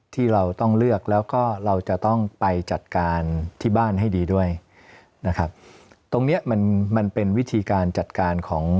ที่เราต้องเลือกแล้วก็เราจะต้องไปจัดการที่บ้านให้ดีด้วยนะครับตรงเนี้ยมันมันเป็นวิธีการจัดการของ